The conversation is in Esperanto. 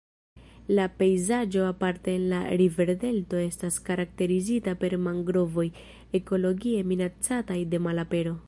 La pejzaĝo aparte en la riverdelto estas karakterizita per mangrovoj ekologie minacataj de malapero.